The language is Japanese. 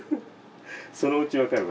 そのうち分かるわ。